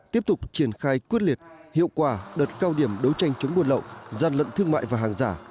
tiếp tục triển khai quyết liệt hiệu quả đợt cao điểm đấu tranh chống buôn lậu gian lận thương mại và hàng giả